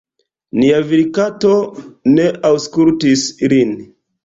Nia virkato ne aŭskultis ilin.